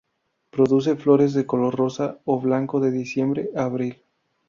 Produce flores de color rosa o blanco de diciembre a abril.